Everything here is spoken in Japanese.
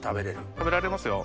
食べられますよ